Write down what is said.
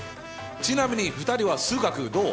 ちなみに２人は数学どう？